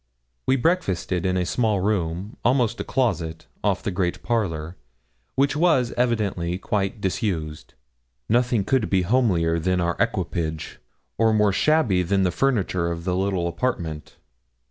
We breakfasted in a small room, almost a closet, off the great parlour, which was evidently quite disused. Nothing could be homelier than our equipage, or more shabby than the furniture of the little apartment.